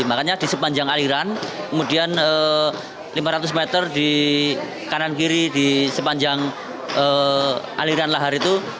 makanya di sepanjang aliran kemudian lima ratus meter di kanan kiri di sepanjang aliran lahar itu